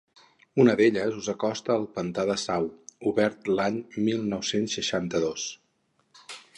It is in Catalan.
Una d'elles us acosta al pantà de Sau, obert l'any mil nou-cents seixanta-dos.